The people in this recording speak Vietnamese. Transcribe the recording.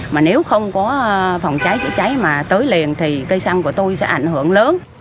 mà nếu không có phòng cháy chữa cháy mà tới liền thì cây xăng của tôi sẽ ảnh hưởng lớn